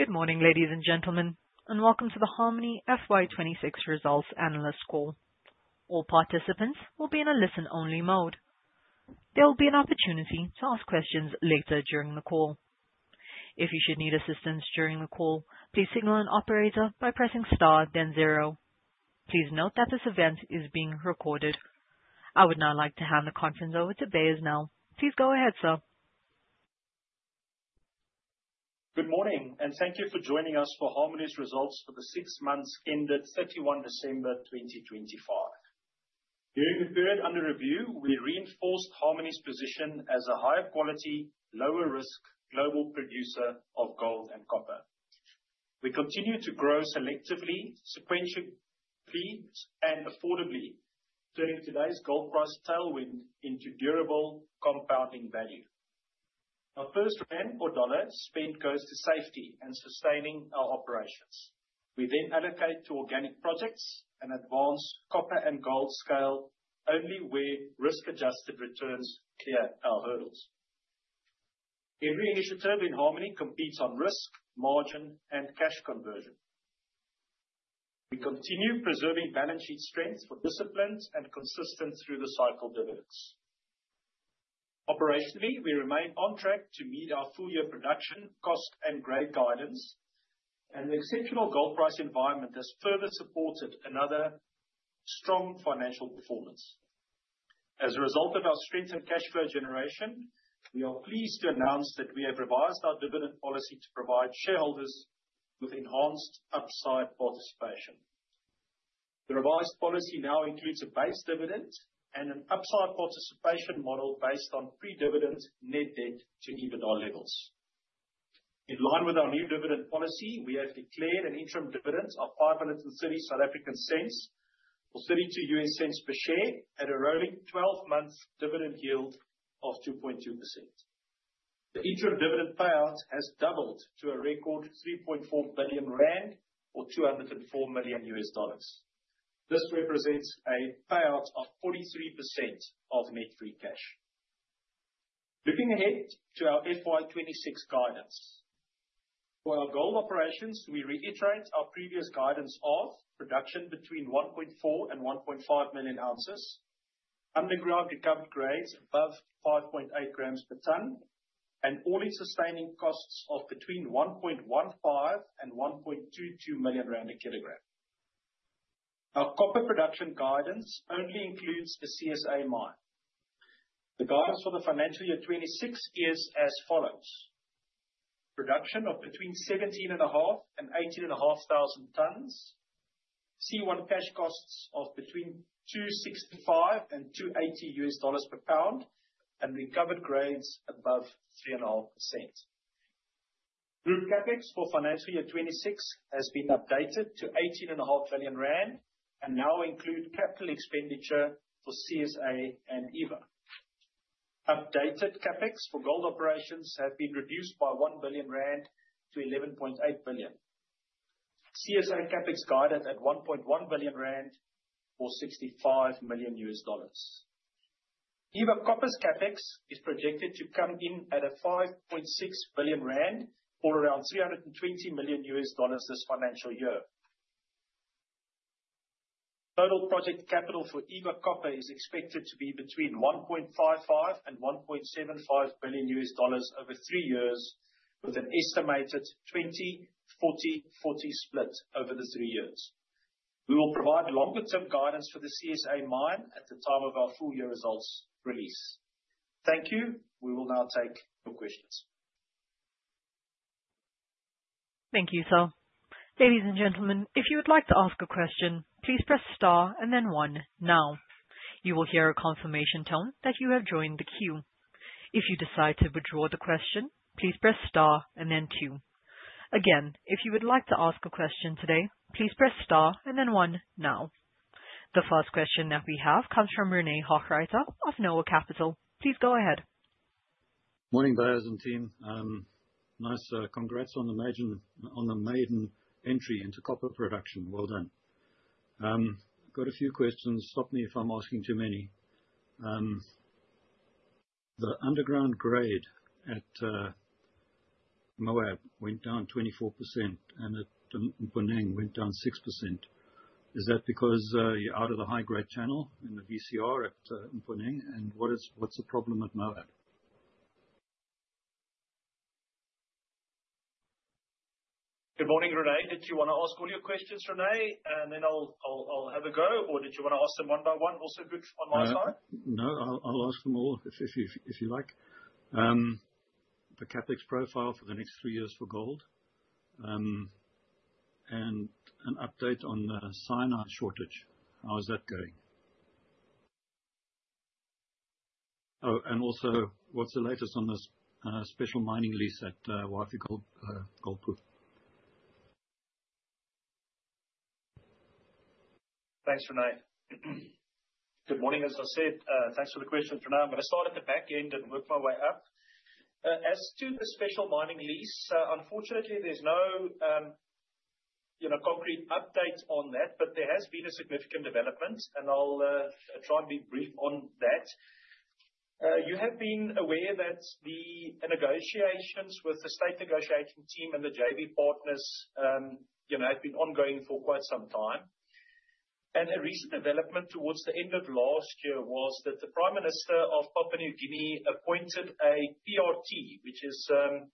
Good morning, ladies and gentlemen, and welcome to the Harmony FY26 results analyst call. All participants will be in a listen-only mode. There will be an opportunity to ask questions later during the call. If you should need assistance during the call, please signal an operator by pressing star then zero. Please note that this event is being recorded. I would now like to hand the conference over to Beyers Nel. Please go ahead, sir. Good morning, and thank you for joining us for Harmony's results for the six months ended 31 December 2025. During the period under review, we reinforced Harmony's position as a higher quality, lower risk global producer of gold and copper. We continue to grow selectively, sequentially, and affordably during today's gold price tailwind into durable compounding value. Our first rand or dollar spent goes to safety and sustaining our operations. We then allocate to organic projects and advance copper and gold scale only where risk-adjusted returns clear our hurdles. Every initiative in Harmony competes on risk, margin, and cash conversion. We continue preserving balance sheet strength for disciplined and consistent through the cycle dividends. Operationally, we remain on track to meet our full-year production cost and grade guidance, and the exceptional gold price environment has further supported another strong financial performance. As a result of our strength in cash flow generation, we are pleased to announce that we have revised our dividend policy to provide shareholders with enhanced upside participation. The revised policy now includes a base dividend and an upside participation model based on pre-dividend net-debt-to EBITDA levels. In line with our new dividend policy, we have declared an interim dividend of 5.30 or $0.32 per share at a rolling 12 months dividend yield of 2.2%. The interim dividend payout has doubled to a record 3.4 billion rand, or $204 million. This represents a payout of 43% of net free cash. Looking ahead to our FY 2026 guidance. For our gold operations, we reiterate our previous guidance of production between 1.4 million ounces-1.5 million ounces, underground recovered grades above 5.8 grams per tonne, and all-in sustaining costs of between 1.15 million-1.22 million rand a kilogram. Our copper production guidance only includes the CSA mine. The guidance for the financial year 2026 is as follows. Production of between 17,500 tonnes-18,500 tonnes, C1 cash costs of between $265-$280 per pound, and recovered grades above 3.5%. Group CapEx for financial year 2026 has been updated to 18.5 billion rand and now include capital expenditure for CSA and Eva. Updated CapEx for gold operations have been reduced by 1 billion rand to 11.8 billion. CSA CapEx guided at 1.1 billion rand, or $65 million. Eva Copper's CapEx is projected to come in at 5.6 billion rand, or around $320 million this financial year. Total project capital for Eva Copper is expected to be between $1.55 billion and $1.75 billion over three years, with an estimated 20/40/40 split over the three years. We will provide longer-term guidance for the CSA mine at the time of our full-year results release. Thank you. We will now take your questions. Thank you, sir. Ladies and gentlemen, if you would like to ask a question, please press star and then one now. You will hear a confirmation tone that you have joined the queue. If you decide to withdraw the question, please press star and then two. Again, if you would like to ask a question today, please press star and then one now. The first question that we have comes from Rene Hochreiter of Noah Capital. Please go ahead. Morning, Beyers and team. Nice, congrats on the maiden entry into copper production. Well done. Got a few questions. Stop me if I'm asking too many. The underground grade at Moab went down 24% and at Mponeng went down 6%. Is that because you're out of the high-grade channel in the VCR at Mponeng, and what's the problem at Moab? Good morning, Rene. Did you wanna ask all your questions, Rene? Then I'll have a go. Or did you wanna ask them one by one? Also good from my side. No, I'll ask them all if you like. The CapEx profile for the next three years for gold, and an update on the cyanide shortage. How is that going? Oh, and also, what's the latest on this Special Mining Lease at Wafi-Golpu. Thanks, Rene. Good morning. As I said, thanks for the question, Rene. I'm gonna start at the back end and work my way up. As to the Special Mining Lease, unfortunately, there's no, you know, concrete updates on that, but there has been a significant development, and I'll try and be brief on that. You have been aware that the negotiations with the state negotiating team and the JV partners, you know, have been ongoing for quite some time. A recent development towards the end of last year was that the Prime Minister of Papua New Guinea appointed a PRT, which is an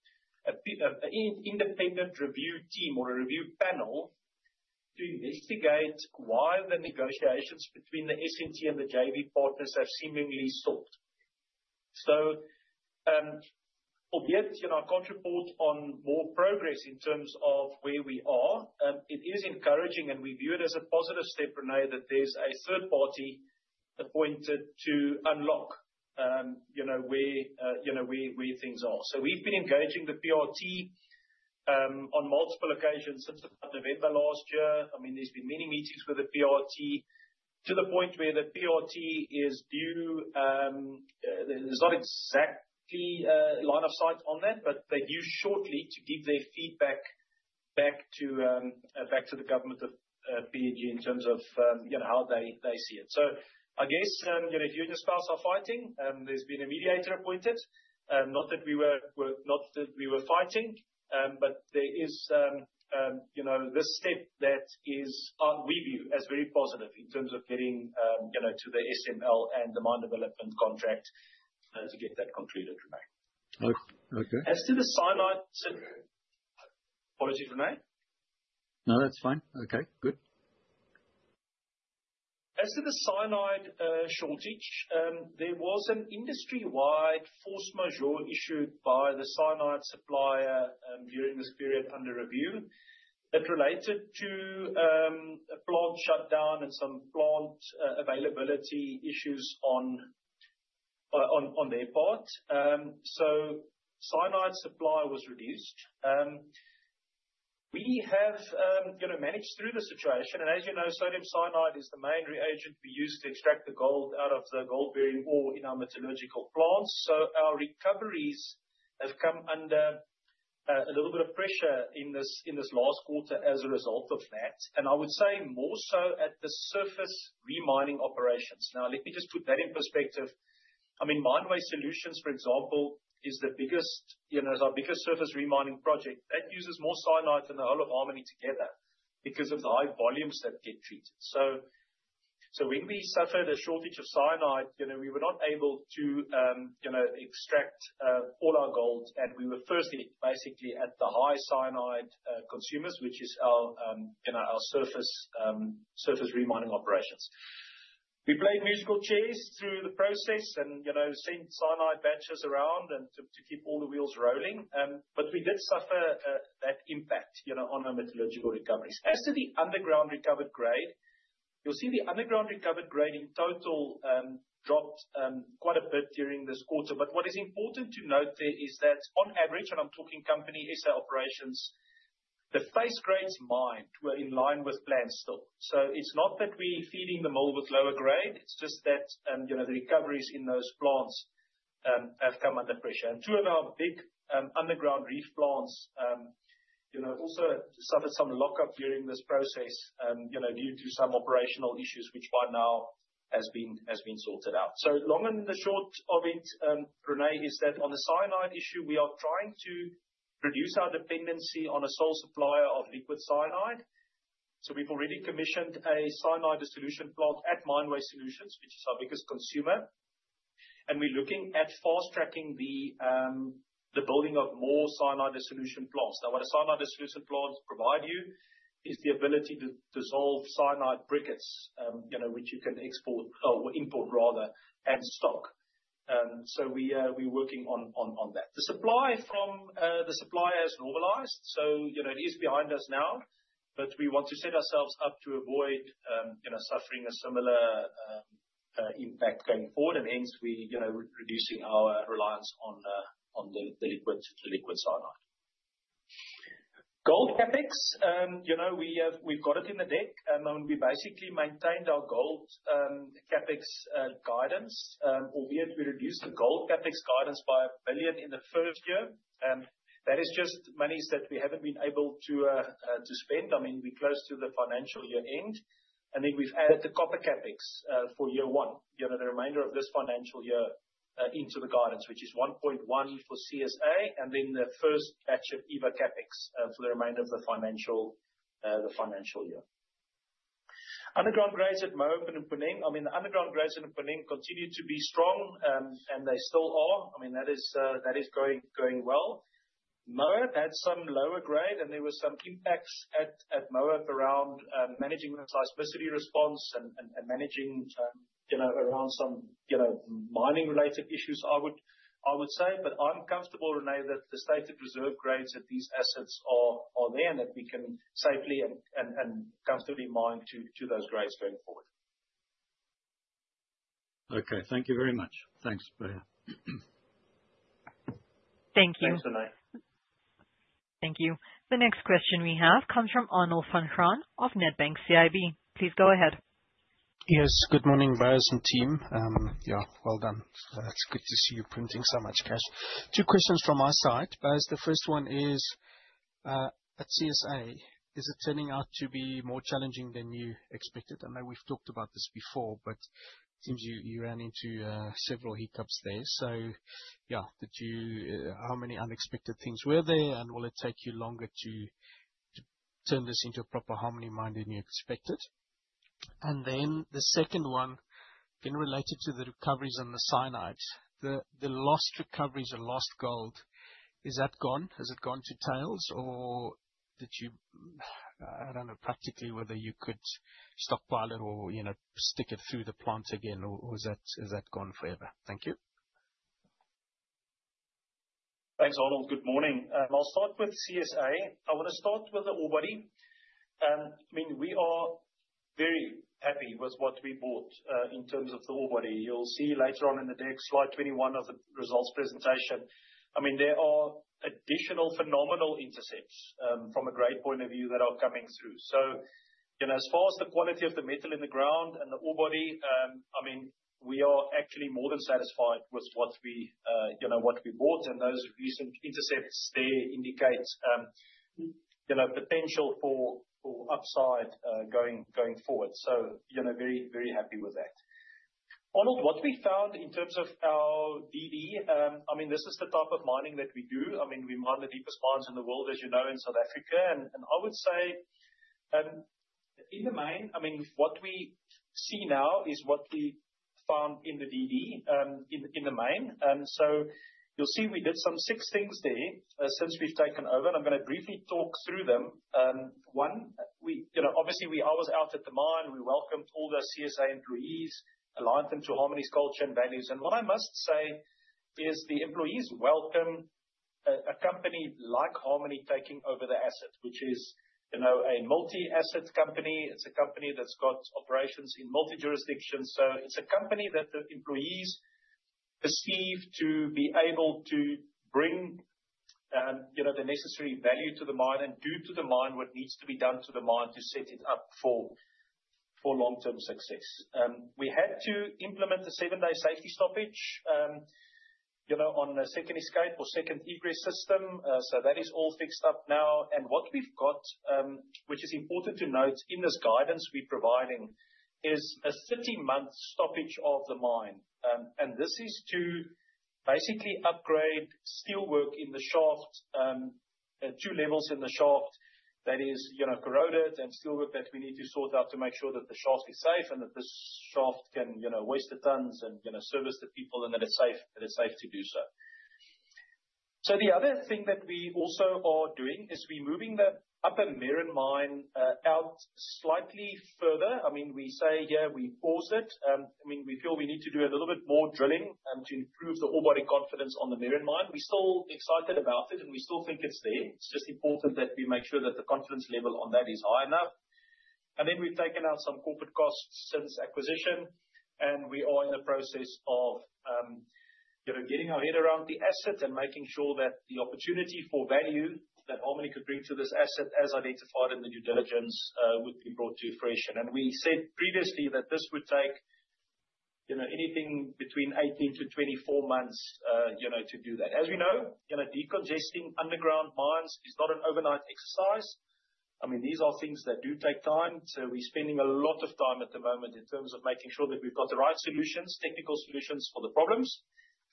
independent review team or a review panel to investigate why the negotiations between the SNT and the JV partners have seemingly stalled. Albeit, you know, I can't report on more progress in terms of where we are, it is encouraging and we view it as a positive step, Rene, that there's a third party appointed to unlock, you know, where things are. We've been engaging the PRT on multiple occasions since about November last year. I mean, there's been many meetings with the PRT to the point where the PRT is due, there's not exactly a line of sight on that, but they're due shortly to give their feedback back to the Government of PNG in terms of, you know, how they see it. I guess, you know, if you and your spouse are fighting and there's been a mediator appointed, not that we were fighting, but there is, you know, this step that is, we view as very positive in terms of getting, you know, to the SML and the mine development contract, to get that concluded, Rene. O-okay. Apologies Rene? No, that's fine. Okay, good. As to the cyanide shortage, there was an industry-wide force majeure issued by the cyanide supplier during this period under review. It related to a plant shutdown and some plant availability issues on their part. Cyanide supply was reduced. We have, you know, managed through the situation. As you know, sodium cyanide is the main reagent we use to extract the gold out of the gold-bearing ore in our metallurgical plants. Our recoveries have come under a little bit of pressure in this last quarter as a result of that. I would say more so at the surface re-mining operations. Now, let me just put that in perspective. I mean, Mine Waste Solutions, for example, is the biggest, you know, is our biggest surface re-mining project. That uses more cyanide than the whole of Harmony together because of the high volumes that get treated. When we suffered a shortage of cyanide, you know, we were not able to, you know, extract all our gold. We were firstly basically at the high cyanide consumers, which is our, you know, our surface re-mining operations. We played musical chairs through the process and, you know, sent cyanide batches around and to keep all the wheels rolling. We did suffer that impact, you know, on our metallurgical recoveries. As to the underground recovered grade, you'll see the underground recovered grade in total dropped quite a bit during this quarter. What is important to note there is that on average, and I'm talking company SA operations, the face grades mined were in line with plan still. It's not that we're feeding the mill with lower grade, it's just that, you know, the recoveries in those plants, have come under pressure. Two of our big, underground reef plants, you know, also suffered some lockup during this process, you know, due to some operational issues, which by now has been sorted out. Long and the short of it, Rene, is that on the cyanide issue, we are trying to reduce our dependency on a sole supplier of liquid cyanide. We've already commissioned a cyanide dissolution plant at Mine Waste Solutions, which is our biggest consumer. We're looking at fast-tracking the building of more cyanide dissolution plants. Now, what a cyanide dissolution plant provide you is the ability to dissolve cyanide briquettes, you know, which you can export, or import rather, and stock. We're working on that. The supply from the supplier has normalized, so you know it is behind us now. We want to set ourselves up to avoid you know suffering a similar impact going forward. Hence we you know we're reducing our reliance on the liquid cyanide. Gold CapEx, we have, we've got it in the deck. We basically maintained our gold CapEx guidance, albeit we reduced the gold CapEx guidance by 1 billion in the first year. That is just moneys that we haven't been able to spend. I mean, we're close to the financial year-end. We've added the copper CapEx for year one, you know, the remainder of this financial year into the guidance, which is 1.1 billion for CSA, and then the first batch of Eva CapEx for the remainder of the financial year. Underground grades at Moab and Mponeng, I mean, the underground grades at Mponeng continued to be strong, and they still are. I mean, that is going well. Moab had some lower grade, and there were some impacts at Moab around managing the seismicity response and managing, you know, around some, you know, mining-related issues, I would say. I'm comfortable, Rene, that the stated reserve grades at these assets are there, and that we can safely and comfortably mine to those grades going forward. Okay, thank you very much. Thanks, Beyers. Thank you. Thanks, Rene. Thank you. The next question we have comes from Arnold Van Graan of Nedbank CIB. Please go ahead. Yes. Good morning, Beyers and team. Yeah, well done. It's good to see you printing so much cash. Two questions from my side. Beyers, the first one is at CSA, is it turning out to be more challenging than you expected? I know we've talked about this before, but it seems you ran into several hiccups there. So yeah. How many unexpected things were there? And will it take you longer to turn this into a proper Harmony mine than you expected? And then the second one, again, related to the recoveries and the cyanide, the lost recoveries or lost gold. Is that gone? Has it gone to tails or I don't know practically whether you could stockpile it or, you know, stick it through the plant again, or is that gone forever? Thank you. Thanks, Arnold. Good morning. I'll start with CSA. I wanna start with the ore body. I mean, we are very happy with what we bought in terms of the ore body. You'll see later on in the deck, slide 21 of the results presentation. I mean, there are additional phenomenal intercepts from a grade point of view that are coming through. You know, as far as the quality of the metal in the ground and the ore body, I mean, we are actually more than satisfied with what we you know, what we bought. Those recent intercepts there indicates you know, potential for upside going forward. You know, very, very happy with that. Arnold, what we found in terms of our DD, I mean, this is the type of mining that we do. I mean, we mine the deepest mines in the world, as you know, in South Africa. I would say, in the mine, I mean, what we see now is what we found in the DD, in the mine. You'll see we did some six things there, since we've taken over, and I'm gonna briefly talk through them. One, you know, obviously I was out at the mine. We welcomed all the CSA employees, aligned them to Harmony's culture and values. What I must say is the employees welcome a company like Harmony taking over the asset, which is, you know, a multi-asset company. It's a company that's got operations in multiple jurisdictions. It's a company that the employees perceive to be able to bring, you know, the necessary value to the mine and do to the mine what needs to be done to the mine to set it up for long-term success. We had to implement a seven-day safety stoppage, you know, on a second escape or second egress system. That is all fixed up now. What we've got, which is important to note in this guidance we're providing, is a 30-month stoppage of the mine. This is to basically upgrade steelwork in the shaft at two levels in the shaft that is, you know, corroded, and steelwork that we need to sort out to make sure that the shaft is safe and that the shaft can, you know, hoist the tons and, you know, service the people, and that it's safe to do so. The other thing that we also are doing is we're moving the upper [Merrin mine out slightly further. I mean, we say, yeah, we pause it. I mean, we feel we need to do a little bit more drilling to improve the orebody confidence on the Merrin mine. We're still excited about it, and we still think it's there. It's just important that we make sure that the confidence level on that is high enough. We've taken out some corporate costs since acquisition, and we are in the process of, you know, getting our head around the asset and making sure that the opportunity for value that Harmony could bring to this asset, as identified in the due diligence, would be brought to fruition. We said previously that this would take, you know, anything between 18-24 months, you know, to do that. As we know, you know, decongesting underground mines is not an overnight exercise. I mean, these are things that do take time. We're spending a lot of time at the moment in terms of making sure that we've got the right solutions, technical solutions for the problems,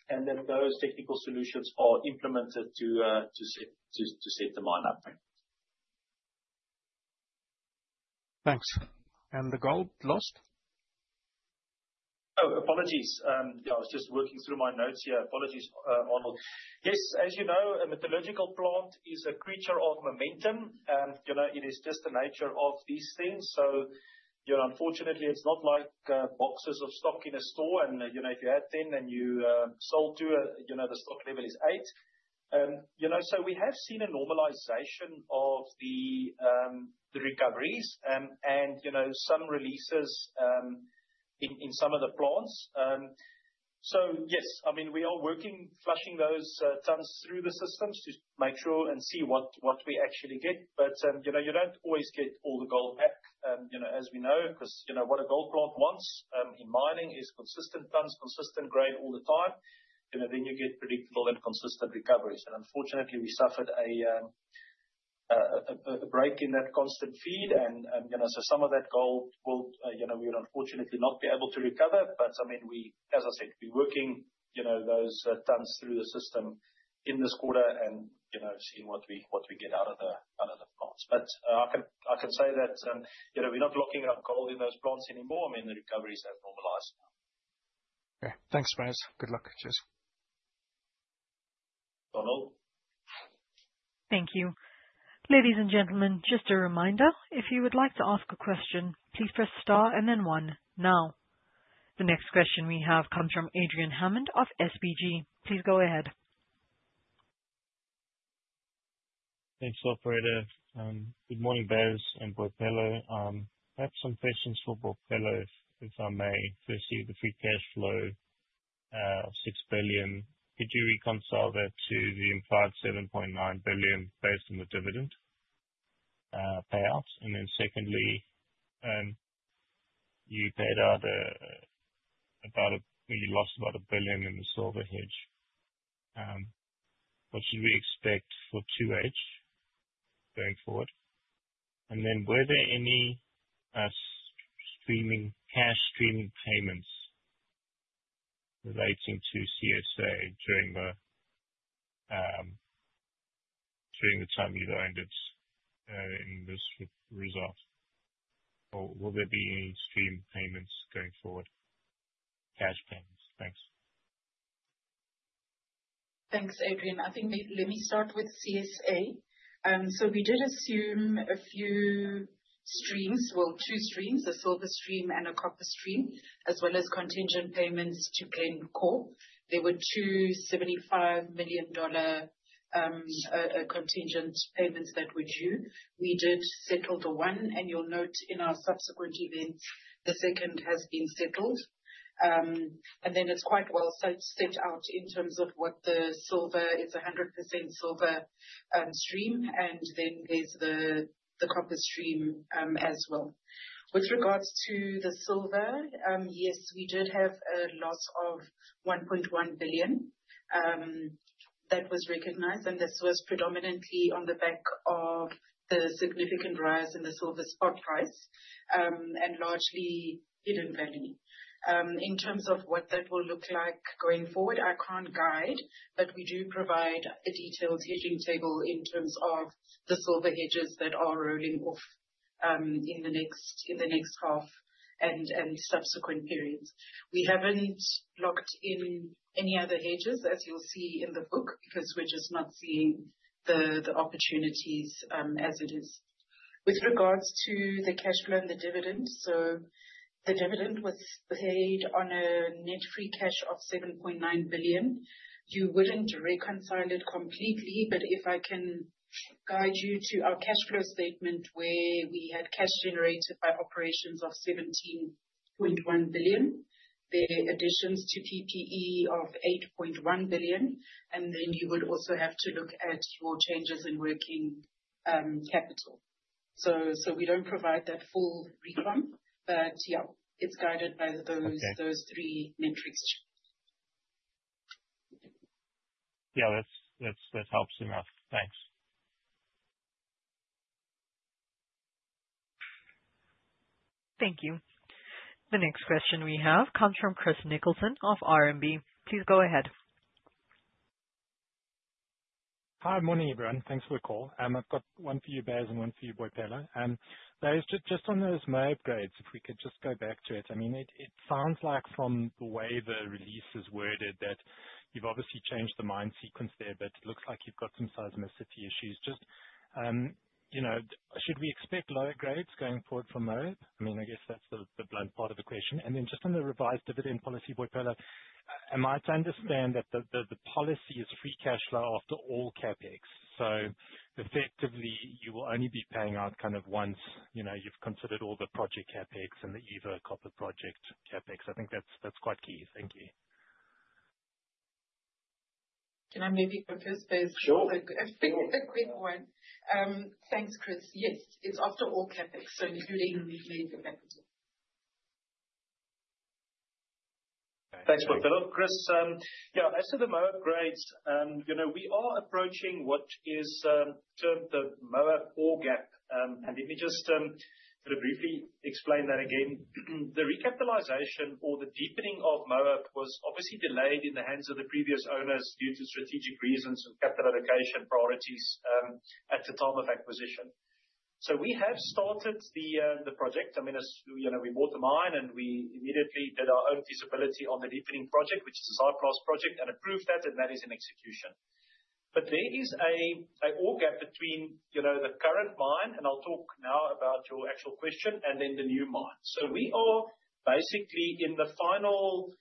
and that those technical solutions are implemented to set the mine up. Thanks. The gold lost? Oh, apologies. Yeah, I was just working through my notes here. Apologies, Arnold. Yes, as you know, a metallurgical plant is a creature of momentum. You know, it is just the nature of these things. You know, unfortunately it's not like boxes of stock in a store and, you know, if you had 10 and you sold two, you know, the stock level is eight. You know, we have seen a normalization of the recoveries and, you know, some releases in some of the plants. Yes, I mean, we are working, flushing those tons through the systems to make sure and see what we actually get. You know, you don't always get all the gold back, you know, as we know, 'cause, you know, what a gold plant wants, in mining is consistent tons, consistent grade all the time. You know, then you get predictable and consistent recoveries. Unfortunately, we suffered a break in that constant feed. You know, so some of that gold will, you know, we would unfortunately not be able to recover. I mean, we, as I said, we're working, you know, those tons through the system in this quarter and, you know, seeing what we get out of the plants. I can say that, you know, we're not locking up gold in those plants anymore. I mean, the recoveries have normalized now. Okay. Thanks, Beyers. Good luck. Cheers. Arnold. Thank you. Ladies and gentlemen, just a reminder, if you would like to ask a question, please press star and then one now. The next question we have comes from Adrian Hammond of SBG. Please go ahead. Thanks, operator. Good morning, Beyers and Boipelo. I have some questions for Boipelo, if I may. Firstly, the free cash flow of 6 billion, could you reconcile that to the implied 7.9 billion based on the dividend? Payouts. And secondly you lost about 1 billion in the silver hedge. What should we expect for 2H going forward? Were there any streaming, cash streaming payments relating to CSA during the time you owned it in this result? Or will there be any stream payments going forward? Cash payments. Thanks. Thanks, Adrian. I think let me start with CSA. So we did assume a few streams. Well, two streams, a silver stream and a copper stream, as well as contingent payments to Glencore. There were two $75 million contingent payments that were due. We did settle the one, and you'll note in our subsequent events, the second has been settled. Then it's quite well set out in terms of what the silver. It's 100% silver stream. Then there's the copper stream as well. With regards to the silver, yes, we did have a loss of 1.1 billion that was recognized, and this was predominantly on the back of the significant rise in the silver spot price, and largely Hidden Valley. In terms of what that will look like going forward, I can't guide, but we do provide a detailed hedging table in terms of the silver hedges that are rolling off in the next half and subsequent periods. We haven't locked in any other hedges, as you'll see in the book, because we're just not seeing the opportunities as it is. With regards to the cash flow and the dividend, the dividend was paid on a net free cash of 7.9 billion. You wouldn't reconcile it completely, but if I can guide you to our cash flow statement where we had cash generated by operations of 17.1 billion, the additions to PPE of 8.1 billion, and then you would also have to look at your changes in working capital. We don't provide that full recon, but yeah, it's guided by those. Okay. Those three metrics. Yeah. That helps enough. Thanks. Thank you. The next question we have comes from Chris Nicholson of RMB. Please go ahead. Hi. Morning, everyone. Thanks for the call. I've got one for you, Beyers, and one for you, Boipelo. Beyers, just on those Moab grades, if we could just go back to it. I mean, it sounds like from the way the release is worded that you've obviously changed the mine sequence there, but it looks like you've got some seismicity issues. Just, you know, should we expect lower grades going forward from Moab? I mean, I guess that's the blunt part of the question. Just on the revised dividend policy, Boipelo, am I to understand that the policy is free cash flow after all CapEx? Effectively you will only be paying out kind of once, you know, you've considered all the project CapEx and the Eva Copper Project CapEx. I think that's quite key. Thank you. Can I maybe go first, Beyers? Sure. A quick one. Thanks, Chris. Yes. It's after all CapEx, so you're leaving the capital. Okay. Thanks, Boipelo. Chris, yeah, as to the Moab grades, you know, we are approaching what is termed the Moab gold gap. Let me just sort of briefly explain that again. The recapitalization or the deepening of Moab was obviously delayed in the hands of the previous owners due to strategic reasons and capital allocation priorities at the time of acquisition. We have started the project. I mean, as you know, we bought the mine, and we immediately did our own feasibility on the deepening project, which is a site class project and approved that, and that is in execution. There is a gold gap between, you know, the current mine, and I'll talk now about your actual question, and then the new mine. We are basically in the final,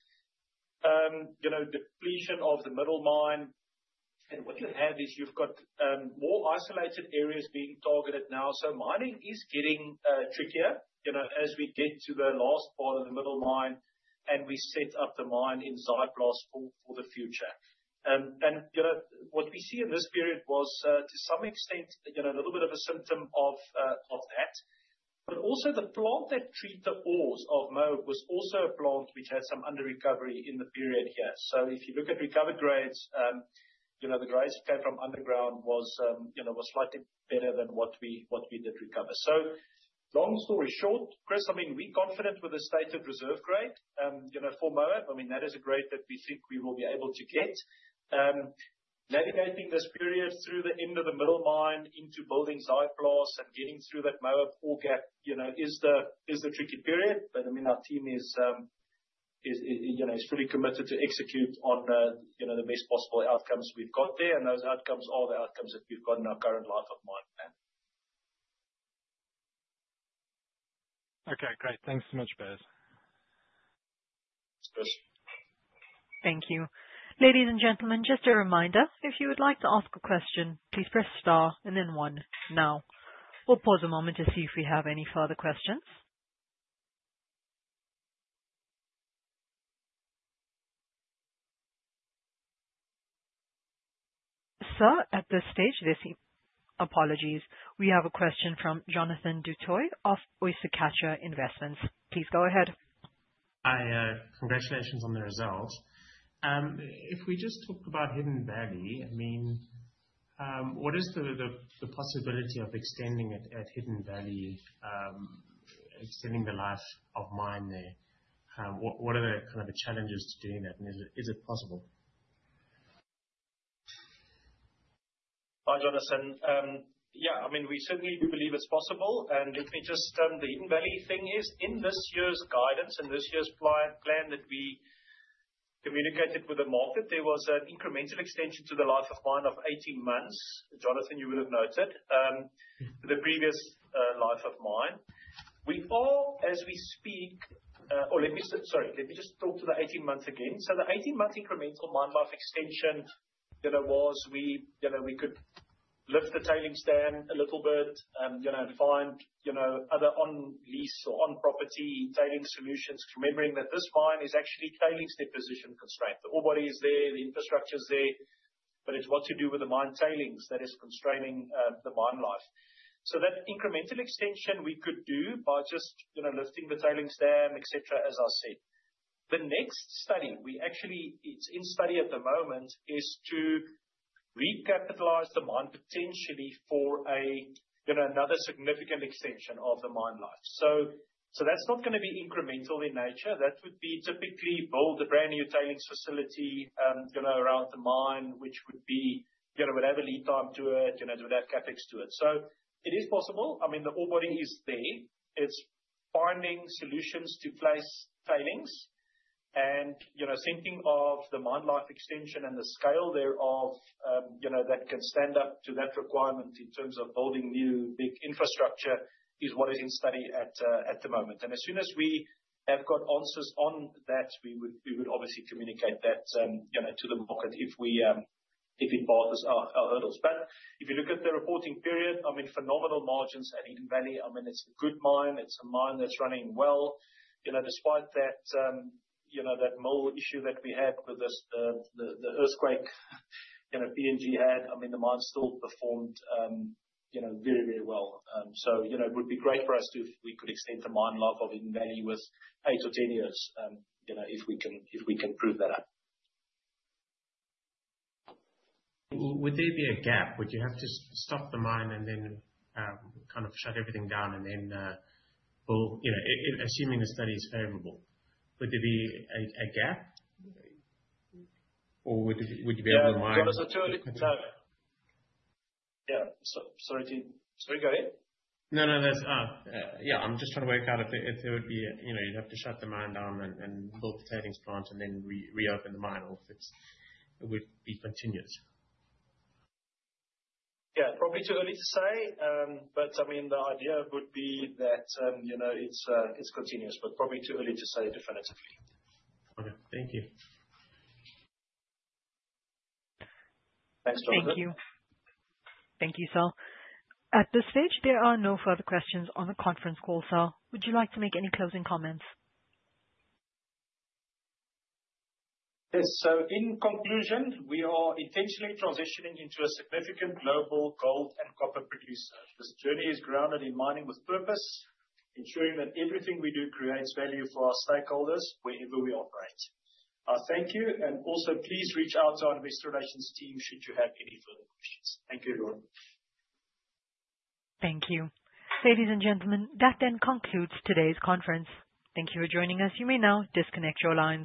you know, depletion of the middle mine. What you have is you've got more isolated areas being targeted now. Mining is getting trickier, you know, as we get to the last part of the middle Mine and we set up the mine in Zaaiplaats for the future. You know, what we see in this period was to some extent, you know, a little bit of a symptom of that. Also the plant that treats the ores of Moab was also a plant which had some underrecovery in the period here. If you look at recovered grades, you know, the grades that came from underground was slightly better than what we did recover. Long story short, Chris, I mean, we're confident with the stated reserve grade, you know, for Moab. I mean, that is a grade that we think we will be able to get. Navigating this period through the end of the Middle Mine into building Zaaiplaats and getting through that Moab gold gap, you know, is the tricky period. I mean, our team is, you know, fully committed to execute on, you know, the best possible outcomes we've got there, and those outcomes are the outcomes that we've got in our current life of mine plan. Okay. Great. Thanks so much, Beyers. Chris. Thank you. Ladies and gentlemen, just a reminder, if you would like to ask a question, please press star and then one now. We'll pause a moment to see if we have any further questions. Sir, at this stage, there's. Apologies. We have a question from Jonathan du Toit of Oyster Catcher Investments. Please go ahead. Congratulations on the results. If we just talk about Hidden Valley, I mean, what is the possibility of extending it at Hidden Valley, extending the life of mine there? What are the kind of challenges to doing that, and is it possible? Hi, Jonathan. Yeah, I mean we certainly do believe it's possible, and let me just, the Hidden Valley thing is in this year's guidance and this year's plan that we communicated with the market. There was an incremental extension to the life of mine of 18 months. Jonathan, you would've noted the previous life of mine. Let me just talk to the 18 months again. The 18-month incremental mine life extension, you know, was we, you know, we could lift the tailings dam a little bit, you know, and find, you know, other on lease or on property tailings solutions, remembering that this mine is actually tailings deposition constrained. The ore body is there, the infrastructure's there, but it's what to do with the mine tailings that is constraining the mine life. That incremental extension we could do by just, you know, lifting the tailings dam, et cetera, as I said. The next study, actually, it's in study at the moment, is to recapitalize the mine potentially for a, you know, another significant extension of the mine life. That's not gonna be incremental in nature. That would be typically build a brand new tailings facility, you know, around the mine, which would be, you know, would have a lead time to it, you know, it would have CapEx to it. It is possible. I mean, the ore body is there. It's finding solutions to place tailings and, you know, thinking of the mine life extension and the scale thereof, you know, that can stand up to that requirement in terms of building new, big infrastructure is what is in study at the moment. As soon as we have got answers on that, we would obviously communicate that, you know, to the market if it bothers our hurdles. If you look at the reporting period, I mean, phenomenal margins at Hidden Valley. I mean, it's a good mine. It's a mine that's running well, you know, despite that whole issue that we had with the earthquake, you know, PNG had. I mean, the mine still performed very, very well. You know, it would be great for us if we could extend the mine life of Hidden Valley with eight or 10 years, you know, if we can prove that. Would there be a gap? Would you have to stop the mine and then kind of shut everything down and then well, you know, assuming the study is favorable, would there be a gap? Or would you be able to mine- Yeah. It's too early to tell. Yeah. Sorry, go ahead. No, no, that's yeah, I'm just trying to work out if there would be a, you know, you'd have to shut the mine down and build the tailings plant and then reopen the mine or if it would be continuous. Yeah, probably too early to say. I mean, the idea would be that, you know, it's continuous, but probably too early to say definitively. Okay. Thank you. Thanks, Jonathan. Thank you. Thank you, sir. At this stage, there are no further questions on the conference call, sir. Would you like to make any closing comments? Yes. In conclusion, we are intentionally transitioning into a significant global gold and copper producer. This journey is grounded in mining with purpose, ensuring that everything we do creates value for our stakeholders wherever we operate. I thank you, and also please reach out to our investor relations team, should you have any further questions. Thank you, everyone. Thank you. Ladies and gentlemen, that then concludes today's conference. Thank you for joining us. You may now disconnect your lines.